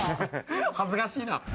恥ずかしいな。